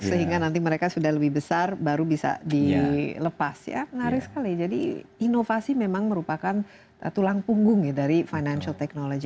sehingga nanti mereka sudah lebih besar baru bisa dilepas ya menarik sekali jadi inovasi memang merupakan tulang punggung ya dari financial technology